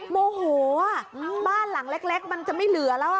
โมโหบ้านหลังเล็กมันจะไม่เหลือแล้ว